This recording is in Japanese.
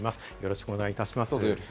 よろしくお願いします。